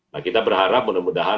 nah kita berharap mudah mudahan